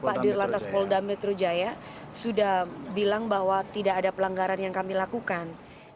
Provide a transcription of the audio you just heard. pak dirlantas polda metro jaya sudah bilang bahwa tidak ada pelanggaran yang kami lakukan